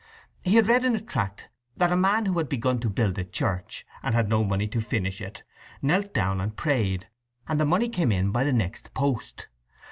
He had read in a tract that a man who had begun to build a church, and had no money to finish it, knelt down and prayed, and the money came in by the next post.